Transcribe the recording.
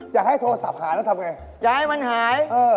อยากให้โทรศัพท์ธรานแล้วทำอย่างไร